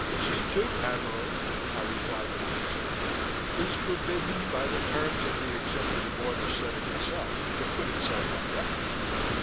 "Z 2, Admiral," I replied modestly, "is forbidden by the terms of the Executive Order setting us up to put itself on record.